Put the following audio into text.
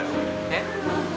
えっ。